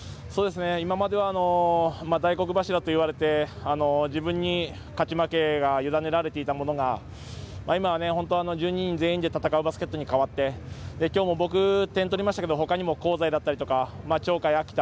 今まで大黒柱といわれて自分に勝ち負けが委ねられていたものが今は本当に１２人全員で戦うバスケットにかわってきょうも僕は点を取りましたがほかにも香西だったり鳥海、秋田